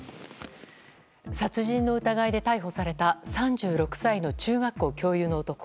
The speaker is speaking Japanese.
殺人の疑いで逮捕された３６歳の中学校教諭の男。